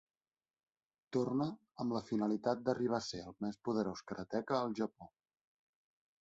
Torna amb la finalitat d'arribar a ser el més poderós karateka al Japó.